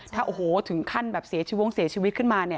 ถ้าโอ้โหถึงขั้นแบบเสียชีวิตวงเสียชีวิตขึ้นมา